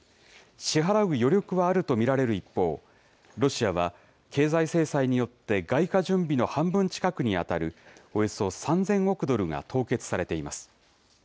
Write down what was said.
支払う余力はあると見られる一方、ロシアは経済制裁によって外貨準備の半分近くに当たるおよそ３０００億ドルが凍結されています。